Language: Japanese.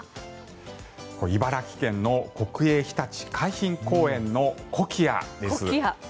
茨城県の国営ひたち海浜公園のコキアです。